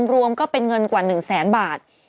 รวมก็เป็นเงินกว่า๑แสนบาท